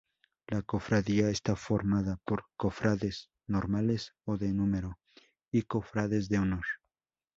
La Cofradía está formada por Cofrades "normales" o "de número" y Cofrades de Honor.